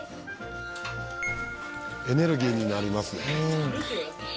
エネルギーになりますね。